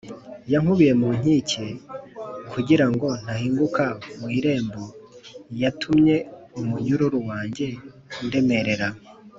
Yankubiye mu nkike kugira ngo ntahinguka mu irembo, Yatumye umunyururu wanjye undemerera.